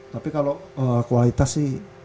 tapi kalau kualitas sih